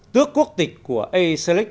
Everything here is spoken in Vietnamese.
tước quốc tịch của a selig